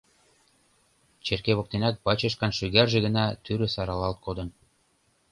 Черке воктенак бачышкан шӱгарже гына тӱрыс аралалт кодын.